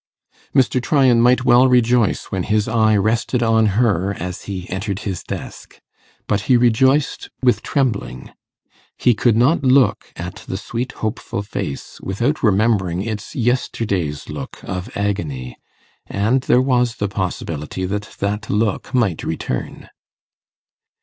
Mr. Tryan might well rejoice when his eye rested on her as he entered his desk; but he rejoiced with trembling. He could not look at the sweet hopeful face without remembering its yesterday's look of agony; and there was the possibility that that look might return.